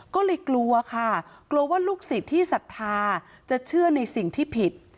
ก็เลยกลัวค่ะกลัวว่าลูกศิษย์ที่ศรัทธาจะเชื่อในสิ่งที่ผิด